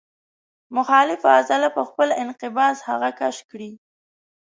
مخالفه عضله په خپل انقباض هغه کش کړي.